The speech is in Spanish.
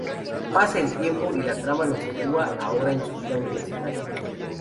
Pasa el tiempo, y la trama nos sitúa ahora en su vida universitaria.